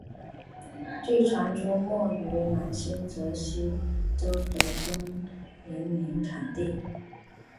据传出没于南新泽西州的松林泥炭地。